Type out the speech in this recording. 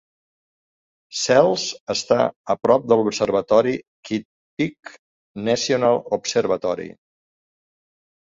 Sells està a prop de l'observatori Kitt Peak National Observatori.